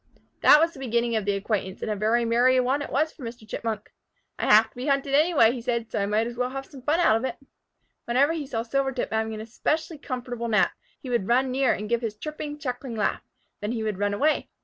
That was the beginning of the acquaintance, and a very merry one it was for Mr. Chipmunk. "I have to be hunted anyway," he said, "so I might as well have some fun out of it." Whenever he saw Silvertip having an especially comfortable nap, he would run near and give his chirping, chuckling laugh. Then he would run away.